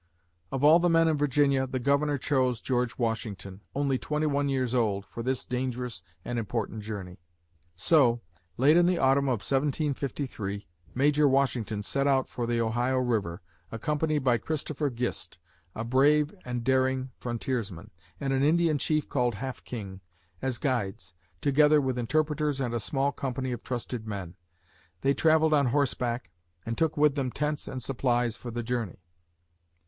Of all the men in Virginia, the Governor chose George Washington, only twenty one years old, for this dangerous and important journey! So, late in the autumn of 1753, Major Washington set out for the Ohio River, accompanied by Christopher Gist, a brave and daring frontiersman, and an Indian chief called Half King, as guides, together with interpreters and a small company of trusted men. They traveled on horseback, and took with them tents and supplies for the journey.